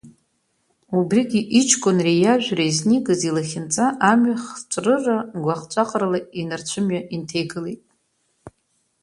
Убригьы иҷкәынреи иажәреи знигаз илахьынҵа амҩа хҵәрыра гәаҟ-ҵәаҟрала инарцәымҩа инҭеигалеит.